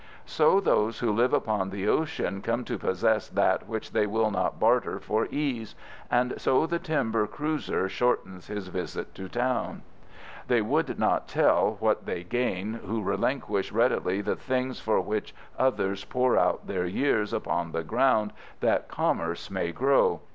So those who live upon the ocean come to possess that which they will not barter for ease, and so the timber cruiser shortens his visit to town. They would not tell what they gain who relinquish readily the things for which others pour out their years upon the ground that commerce may grow.